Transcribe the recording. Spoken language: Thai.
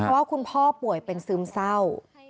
ว่าคุณพ่อป่วยเป็นซึมเศร้า